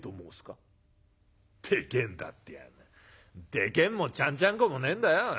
でけんもちゃんちゃんこもねえんだよ。